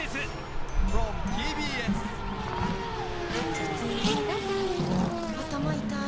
頭痛にバファリン頭痛い